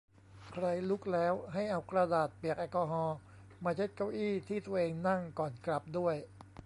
ใครลุกแล้ว ให้เอากระดาษเปียกแอลกอฮอล์ มาเช็ดเก้าอี้ที่ตัวเองนั่งก่อนกลับด้วย